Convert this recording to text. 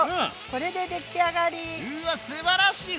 これで出来上がり！